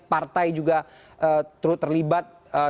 partai juga terlibat